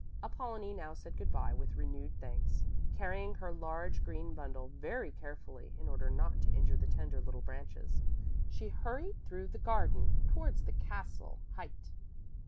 Apollonie now said good bye with renewed thanks. Carrying her large green bundle very carefully in order not to injure the tender little branches, she hurried through the garden towards the castle height.